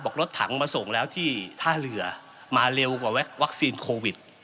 รถถังมาส่งแล้วที่ท่าเรือมาเร็วกว่าวัคซีนโควิด